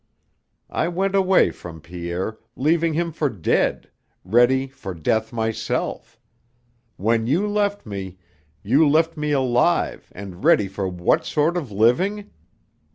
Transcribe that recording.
I went away from Pierre, leaving him for dead, ready for death myself. When you left me, you left me alive and ready for what sort of living?